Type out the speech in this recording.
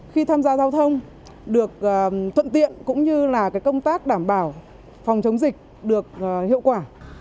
khi tham gia giao thông được thuận tiện cũng như là công tác đảm bảo phòng chống dịch được hiệu quả